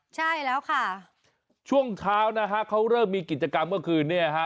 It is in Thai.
ใช่แล้วค่ะช่วงเช้านะฮะเขาเริ่มมีกิจกรรมเมื่อคืนเนี่ยฮะ